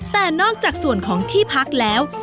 แต่นอกจากส่วนของที่พักแล้ว